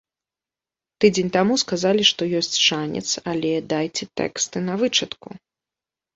Тыдзень таму сказалі, што ёсць шанец, але дайце тэксты на вычытку.